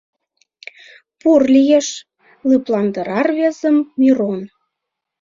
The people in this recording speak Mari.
Пурлиеш, — лыпландара рвезым Мирон.